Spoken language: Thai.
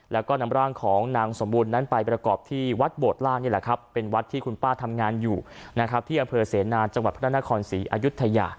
แล้วก็นำร่างของนางสมบูรณ์นั้นไปประกอบที่วัดโบดล่างนี่แหละครับเป็นวัดที่คุณป้าทำงานอยู่นะครับที่อำเภอเสนาจังหวัดพระนครศรีอายุทยา